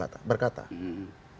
berdasarkan data pada